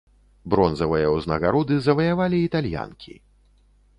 Бронзавыя ўзнагароды заваявалі італьянкі.